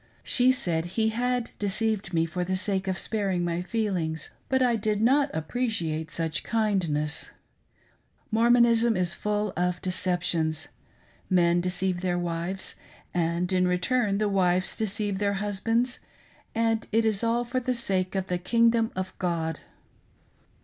She said he had deceived me for the sake of sparing my feelings, but I did' not appreciate such kindness, Mormonism is full of decep tions. Men deceive their wives, and in return the wives deceive their husbands; and it is all for the sake of the kingdom of God.